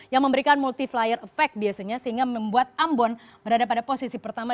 yang memberikan multiplier effect biasanya sehingga membuat ambon berada pada posisi pertama